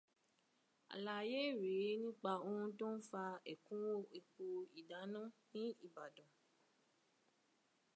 Àlàyé rèé nípa ohun tó ń fa ẹ̀kúnwó epo ìdáná ní Ìbàdàn.